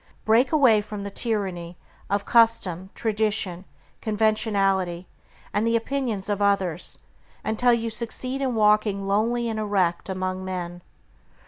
Break away from the tyranny of custom, tradition, conventionality, and the opinions of others, until you succeed in walking lonely and erect among men.